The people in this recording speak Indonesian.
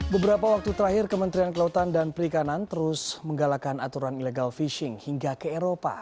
beberapa waktu terakhir kementerian kelautan dan perikanan terus menggalakan aturan illegal fishing hingga ke eropa